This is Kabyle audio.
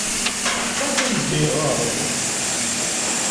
Maɣef ay yezga yeɣɣar-d?